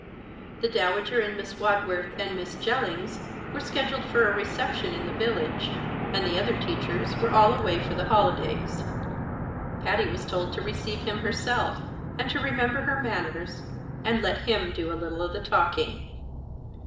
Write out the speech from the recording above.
The Dowager and Miss Wadsworth and Miss Jellings were scheduled for a reception in the village, and the other teachers were all away for the holidays. Patty was told to receive him herself, and to remember her manners, and let him do a little of the talking.